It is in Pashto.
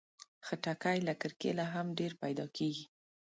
خټکی له کرکيله هم ډېر پیدا کېږي.